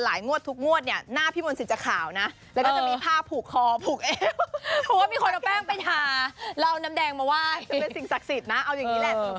อะหละก็ไม่รู้จะตอบยังไง